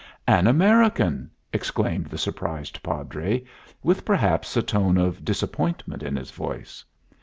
"An American!" exclaimed the surprised Padre, with perhaps a tone of disappointment in his voice.